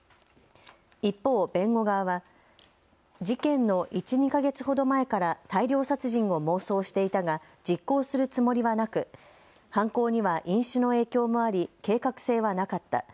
一方、弁護側は事件の１、２か月ほど前から大量殺人を妄想していたが実行するつもりはなく、犯行には飲酒の影響もあり計画性はなかった。